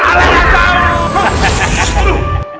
alah salah satu